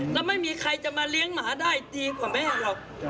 แล้วไม่มีใครจะมาเลี้ยงหมาได้ดีกว่าแม่หรอก